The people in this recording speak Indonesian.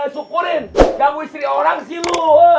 syukurin gak wisri orang sih lu